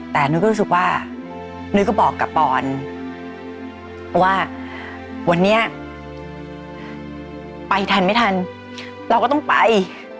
แต่นุ้ยก็รู้สึกว่านุ้ยก็บอกกับปอนว่าวันนี้ไปทันไม่ทันเราก็ต้องไป